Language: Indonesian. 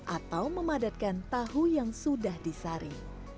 atau memadatkan tahu yang sudah disaring